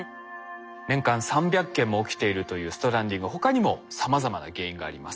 年間３００件も起きているというストランディング他にもさまざまな原因があります。